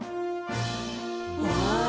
うわ！